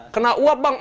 kena uap bang